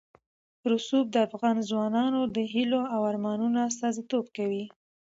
رسوب د افغان ځوانانو د هیلو او ارمانونو استازیتوب کوي.